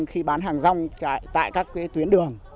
khi bán hàng rong tại các tuyến đường